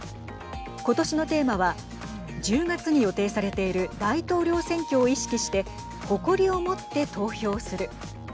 ことしのテーマは１０月に予定されている大統領選挙を意識して誇りを持って投票する。